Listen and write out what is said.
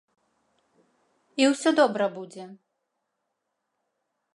І ўсё добра будзе.